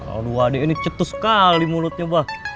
aduh adek ini cetuh sekali mulutnya